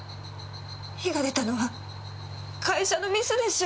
火が出たのは会社のミスでしょう。